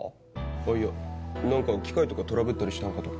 あっいや何か機械とかトラブったりしたのかと。